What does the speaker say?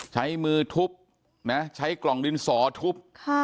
ใช้มือทุบใช้กล่องดินสอทุบ